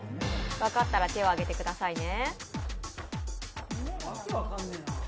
分かったら手を挙げてくださいね。